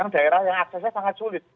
daerah yang aksesnya sangat sulit